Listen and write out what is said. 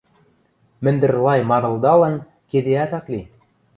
Мӹндӹр-лай манылдалын, кедеӓт ак ли.